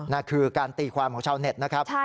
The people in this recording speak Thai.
นั่นคือการตีความของชาวเน็ตนะครับ